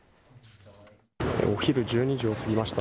お昼１２時をすぎました。